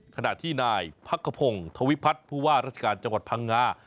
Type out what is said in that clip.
ขณะที่นายพักขพงศ์ธวิพัฒน์ผู้ว่าราชการจังหวัดพังงา